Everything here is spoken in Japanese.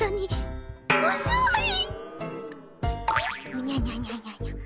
うにゃにゃにゃにゃにゃ。